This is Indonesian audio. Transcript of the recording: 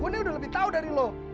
gue udah lebih tahu dari lo